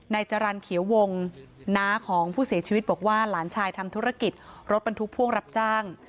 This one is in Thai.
จรรย์เขียววงน้าของผู้เสียชีวิตบอกว่าหลานชายทำธุรกิจรถบรรทุกพ่วงรับจ้าง